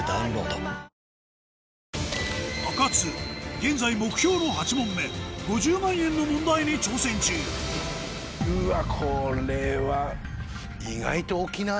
現在目標の８問目５０万円の問題に挑戦中うわこれは。